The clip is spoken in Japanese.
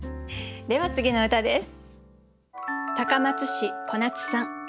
では次の歌です。